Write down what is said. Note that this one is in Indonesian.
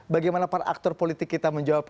bagaimana para aktor politik kita menjawab